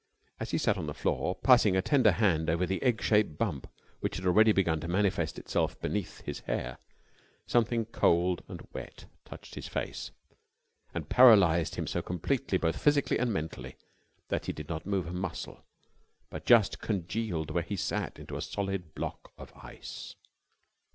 As he sat on the floor, passing a tender hand over the egg shaped bump which had already begun to manifest itself beneath his hair, something cold and wet touched his face, and paralysed him so completely both physically and mentally that he did not move a muscle but just congealed where he sat into a solid block of ice.